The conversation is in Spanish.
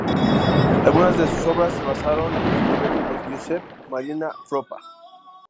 Algunas de sus obras se basaron en libretos de Giuseppe Maria Foppa.